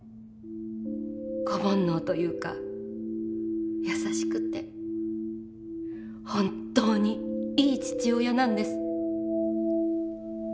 子ぼんのうというか優しくて本当にいい父親なんです。